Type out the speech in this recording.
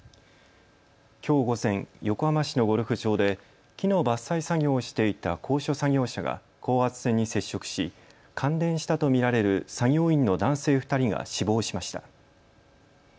きょう午前、横浜市のゴルフ場で木の伐採作業をしていた高所作業車が高圧線に接触し感電したと見られる作業員の男性２人が死亡しました。